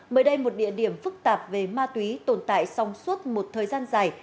mới đây một địa điểm phức tạp về ma túy tồn tại trong suốt một thời gian dài